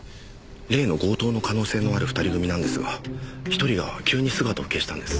例の強盗の可能性のある二人組なんですが１人が急に姿を消したんです。